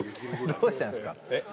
どうしたんですか？